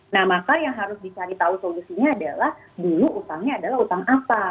nah maka yang harus dicari tahu solusinya adalah dulu utangnya adalah utang apa